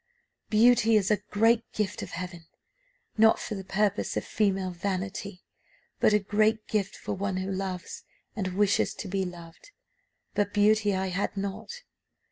Beauty is a great gift of Heaven not for the purposes of female vanity; but a great gift for one who loves, and wishes to be loved. But beauty I had not."